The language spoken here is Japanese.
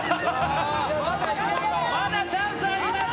まだチャンスあります。